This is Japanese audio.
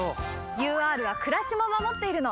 ＵＲはくらしも守っているの